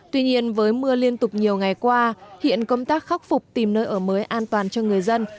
tuy nhiên với mưa liên tục nhiều ngày qua hiện công tác khắc phục tìm nơi ở mới an toàn cho người dân